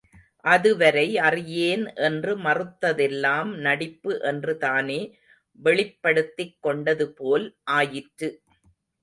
அதுவரை அறியேன் என்று மறுத்ததெல்லாம் நடிப்பு என்று தானே வெளிப்படுத்திக் கொண்டது போல் ஆயிற்று.